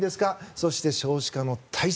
そして、少子化の対策。